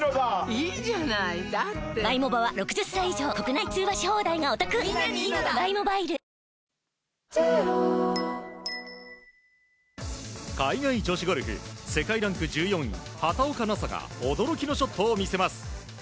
いいじゃないだって海外女子ゴルフ世界ランク１４位畑岡奈紗が驚きのショットを見せます。